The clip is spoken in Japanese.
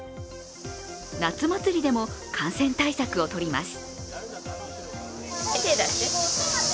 夏祭りでも、感染対策をとります。